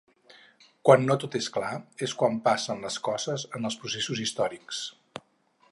Quan no tot és clar, és quan passen les coses en els processos històrics.